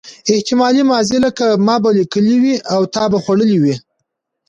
احتمالي ماضي لکه ما به لیکلي وي او تا به خوړلي وي.